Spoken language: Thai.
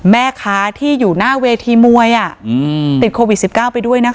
แม่ค้าที่อยู่หน้าเวทีมวยติดโควิด๑๙ไปด้วยนะคะ